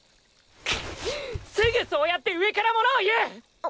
クッすぐそうやって上からものを言う！！